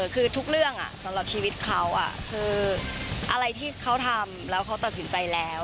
คือทุกเรื่องสำหรับชีวิตเขาคืออะไรที่เขาทำแล้วเขาตัดสินใจแล้ว